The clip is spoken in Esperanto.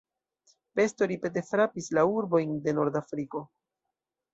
Pesto ripete frapis la urbojn de Nordafriko.